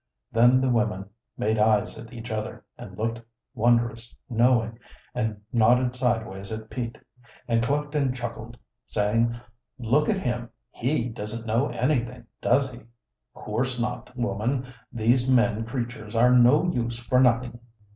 Then the women made eyes at each other and looked wondrous knowing, and nodded sideways at Pete, and clucked and chuckled, saying, "Look at him, he doesn't know anything, does he?" "Coorse not, woman these men creatures are no use for nothing."